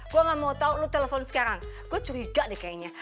gue gak mau tau loe telfon sekarang gue curiga deh kayaknya